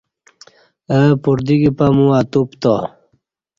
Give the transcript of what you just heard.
اہ پردیکی پمو اتوپتا